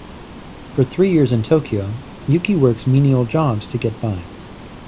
For three years in Tokyo, Yukie works menial jobs to get by.